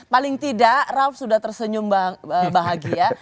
paling tidak raff sudah tersenyum bahagia